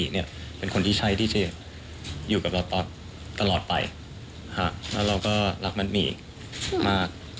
อยากจะบอกว่า